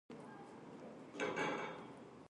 わかったよ